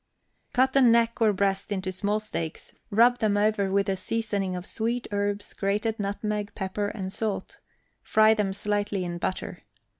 Cut a neck or breast into small steaks, rub them over with a seasoning of sweet herbs, grated nutmeg, pepper and salt; fry them slightly in butter.